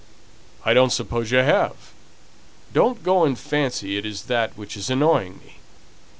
I don't suppose you have. Don't go and fancy it is that which is annoying me.